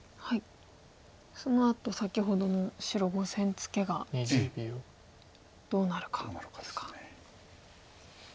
そのあと先ほどの白５線ツケがどうなるかですか。